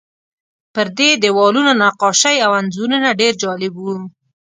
پر دې دیوالونو نقاشۍ او انځورونه ډېر جالب وو.